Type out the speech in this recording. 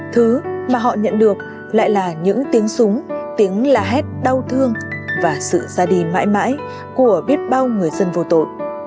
thứ mà họ nhận được lại là những tiếng súng tiếng la hét đau thương và sự ra đi mãi mãi của biết bao người dân vô tội